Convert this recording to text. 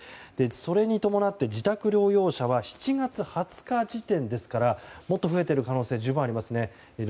それに伴って自宅療養者は７月２０日時点ですからもっと増えている可能性十分ありますね。